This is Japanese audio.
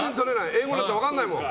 英語なんて分からないもん。